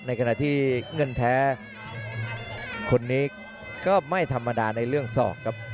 ขณะที่เงินแท้คนนี้ก็ไม่ธรรมดาในเรื่องศอกครับ